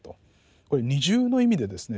これ二重の意味でですね